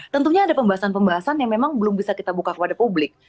tentunya ada pembahasan pembahasan yang memang belum bisa kita buka kepada publik